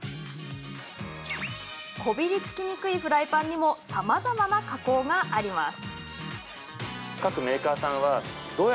こびりつきにくいフライパンにもさまざまな加工があるんです。